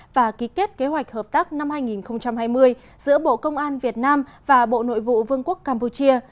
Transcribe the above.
và ký kết kế hoạch hợp tác năm hai nghìn hai mươi giữa bộ công an việt nam và bộ nội vụ vương quốc campuchia